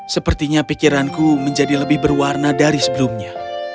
sepertinya pikiranku menjadi lebih berwarna dari sebelumnya